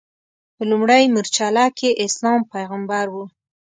په لومړۍ مورچله کې اسلام پیغمبر و.